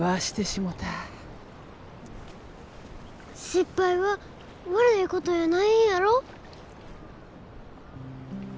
失敗は悪いことやないんやろ？